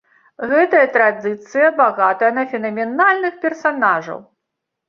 Гэтая традыцыя багатая на фенаменальных персанажаў.